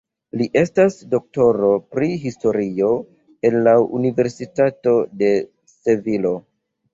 Li estas doktoro pri Historio el la Universitato de Sevilo.